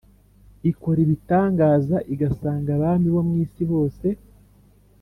ikora ibitangaza igasanga abami bo mu isi yose,